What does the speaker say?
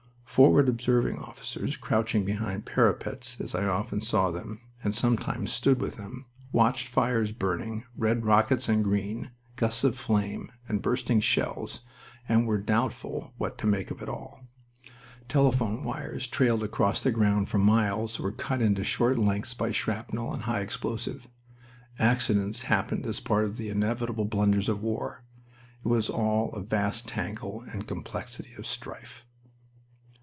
Forward observing officers crouching behind parapets, as I often saw them, and sometimes stood with them, watched fires burning, red rockets and green, gusts of flame, and bursting shells, and were doubtful what to make of it all. Telephone wires trailed across the ground for miles, were cut into short lengths by shrapnel and high explosive. Accidents happened as part of the inevitable blunders of war. It was all a vast tangle and complexity of strife.